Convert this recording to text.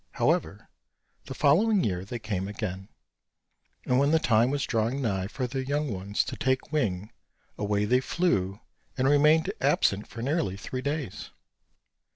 However, the following year they came again; and when the time was drawing nigh for their young ones to take wing, away they flew, and remained absent for nearly three days.